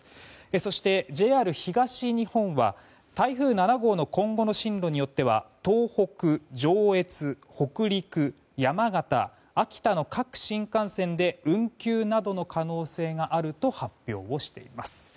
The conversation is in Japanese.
そして、ＪＲ東日本は台風７号の今後の進路によっては東北、上越、北陸、山形、秋田の各新幹線で運休などの可能性があると発表しています。